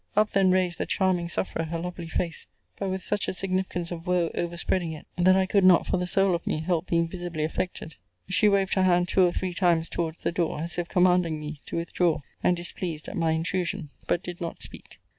Up then raised the charming sufferer her lovely face; but with such a significance of woe overspreading it, that I could not, for the soul of me, help being visibly affected. She waved her hand two or three times towards the door, as if commanding me to withdraw; and displeased at my intrusion; but did not speak.